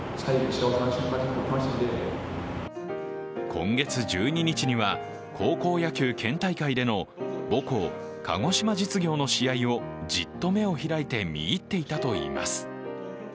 今月１２日には高校野球県大会での母校・鹿児島実業の試合をじっと目を開いて見入っていたということです。